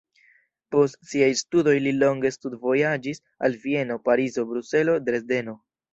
Post siaj studoj li longe studvojaĝis al Vieno, Parizo, Bruselo, Dresdeno.